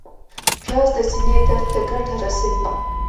پیاز د سینې درد ته ګټه رسوي